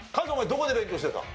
どこで勉強してた？